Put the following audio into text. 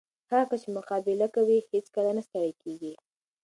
هغه کس چې مقابله کوي، هیڅکله نه ستړی کېږي.